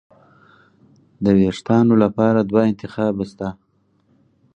د وېښتانو لپاره دوه انتخابه شته.